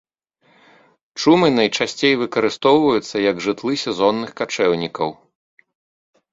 Чумы найчасцей выкарыстоўваюцца як жытлы сезонных качэўнікаў.